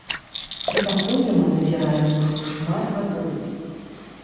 І такое мы назіраем ужо шмат гадоў.